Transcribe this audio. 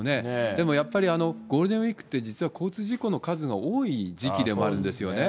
でもやっぱり、ゴールデンウィークって実は交通事故の数が多い時期でもあるんですよね。